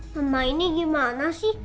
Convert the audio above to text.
mama ini gimana sih